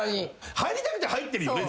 入りたくて入ってるよね？